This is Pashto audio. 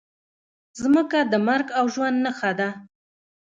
مځکه د مرګ او ژوند نښه ده.